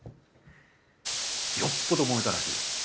よっぽどもめたらしいです。